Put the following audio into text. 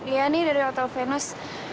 iya nih dari hotel venus